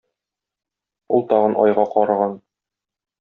Ул тагын айга караган.